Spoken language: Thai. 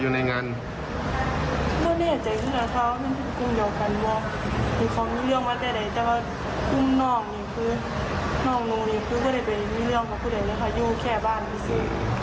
อยู่แค่บ้านพี่สิ